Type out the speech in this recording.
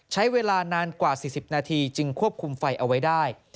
ใช้เวลานานกว่า๔๐นาทีจึงควบคุมไฟเอาไว้ได้